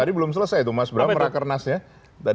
tadi belum selesai itu mas bram rakernasnya